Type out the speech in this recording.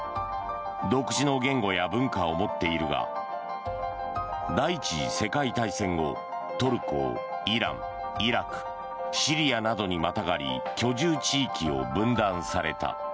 独自の言語や文化を持っているが第１次世界大戦後トルコ、イランイラク、シリアなどにまたがり居住地域を分断された。